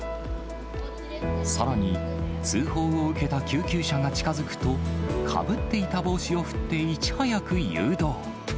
さらに、通報を受けた救急車が近づくと、かぶっていた帽子を振って、いち早く誘導。